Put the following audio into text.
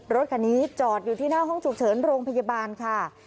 รถคันนี้จอดอยู่ที่หน้าห้องฉุกเฉินโรงพยาบาลค่ะ